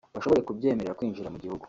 bashobore kubyemerera kwinjira mu gihugu